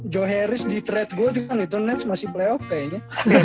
jo harris di trade gua itu ness masih playoff kayaknya